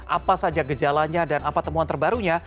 apa saja gejalanya dan apa temuan terbarunya